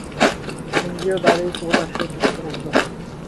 ইন্দ্রিয়-দ্বারেই ক্রোধ আসে, দুঃখ অনুভূত হয়।